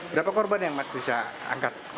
berapa korban yang mas bisa angkat